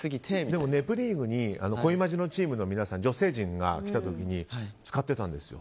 でも「ネプリーグ」に「恋マジ」のチームの皆さん女性陣が来た時に使ってたんですよ。